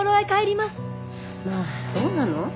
まぁそうなの？